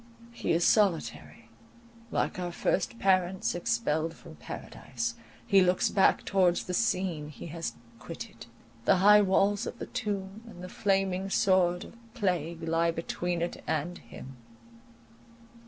He is solitary; like our first parents expelled from Paradise, he looks back towards the scene he has quitted. The high walls of the tomb, and the flaming sword of plague, lie between it and him.